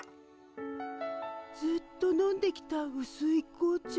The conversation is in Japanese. ずっと飲んできたうすい紅茶。